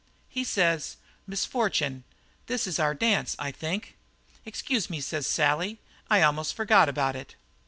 "He says: 'Miss Fortune, this is our dance, I think.' "'Excuse me,' says Sally, 'I almost forgot about it.'